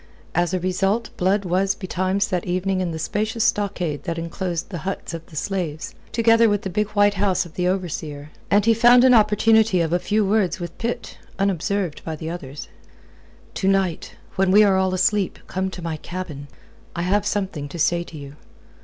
As a result Blood was betimes that evening in the spacious stockade that enclosed the huts of the slaves together with the big white house of the overseer, and he found an opportunity of a few words with Pitt, unobserved by the others. "To night when all are asleep, come to my cabin. I have something to say to you."